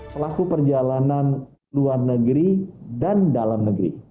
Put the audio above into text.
pelaku perjalanan luar negeri dan dalam negeri